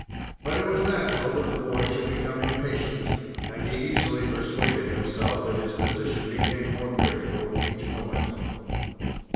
But it was natural that the boy should become impatient, and he easily persuaded himself that his position became more critical each moment.